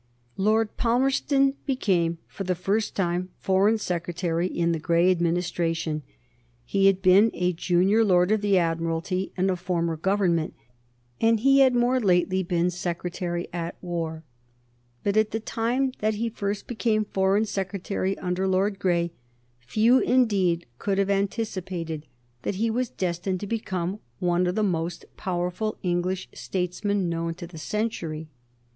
Lord Palmerston became for the first time Foreign Secretary in the Grey Administration. He had been a junior Lord of the Admiralty in a former Government, and he had more lately been Secretary at War; but at the time that he first became Foreign Secretary under Lord Grey few indeed could have anticipated that he was destined to become one of the most powerful English statesmen known to the century.